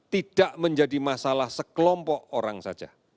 tidak menjadi masalah sekelompok orang saja